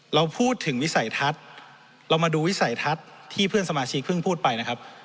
เราพูดถึงวิสัยทัศน์เรามาดูวิสัยทัศน์ที่เพื่อนสมาชิกเพิ่งพูดไปนะครับ